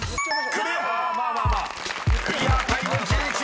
クリアタイム１１秒４］